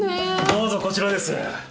どうぞこちらです。